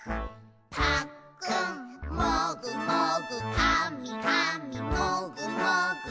「ぱっくんもぐもぐ」「かみかみもぐもぐ」